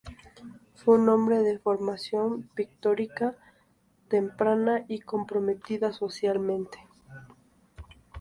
Fue un hombre de formación pictórica temprana y comprometido socialmente.